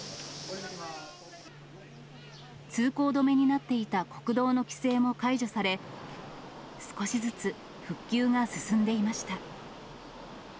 通行止めになっていた国道の規制も解除され、少しずつ復旧が進んでいました。